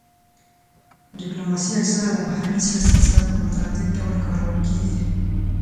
ډیپلوماسي اکثرا د بهرني سیاست سره په مترادف ډول کارول کیږي